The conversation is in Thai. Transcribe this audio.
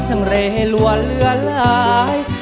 ทั้งเลหลวนเลือดลาย